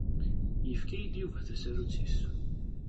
Yefka-yi-d Yuba tasarut-is.